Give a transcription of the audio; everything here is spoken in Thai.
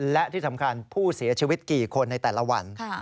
และที่สำคัญผู้เสียชีวิตกี่คนในแต่ละวัน